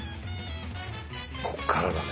こっからだね。